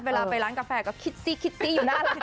เวลาไปร้านกาแฟก็คิดซิคิดตี้อยู่นะ